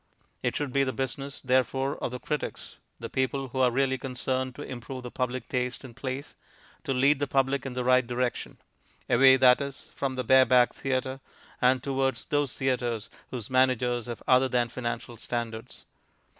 It should be the business, therefore, of the critics (the people who are really concerned to improve the public taste in plays) to lead the public in the right direction; away, that is, from the Bareback Theatre, and towards those theatres whose managers have other than financial standards.